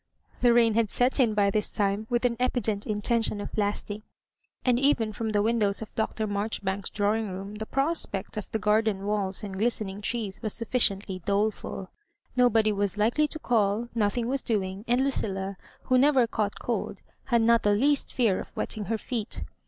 The rain had set in by this time with an evident in tentk)n of lasting, and even from the windows of Dr. Marjoribanks's drawing room the prospect d* the garden walls and glistening trees was suf* ficiently doleful Nobody was likely to call, nothing was doing; and Lucilla^ who never caught cold, had not the least fear of wetting her feet.